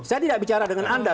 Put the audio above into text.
saya tidak bicara dengan anda